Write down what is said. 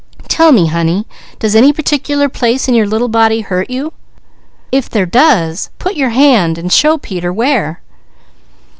Tell me honey, does any particular place in your little body hurt you? If there does, put your hand and show Peter where."